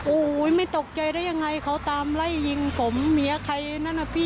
โอ้โหไม่ตกใจได้ยังไงเขาตามไล่ยิงผมเมียใครนั่นน่ะพี่